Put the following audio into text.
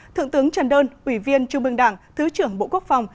thượng tướng trần đơn ủy viên trung mương đảng thứ trưởng bộ quốc phòng